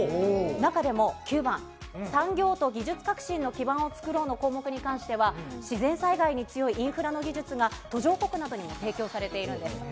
中でも９番、産業と技術革新の基盤をつくろうの項目に関しては、自然災害に強いインフラの技術が、途上国などにも提供されているんです。